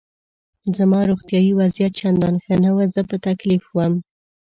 زما روغتیایي وضعیت چندان ښه نه و، زه په تکلیف وم.